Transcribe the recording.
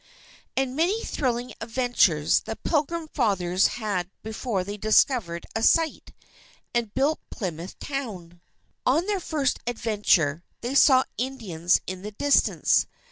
And many thrilling adventures, the Pilgrim Fathers had before they discovered a site, and built Plymouth Town. On their first adventure, they saw Indians in the distance.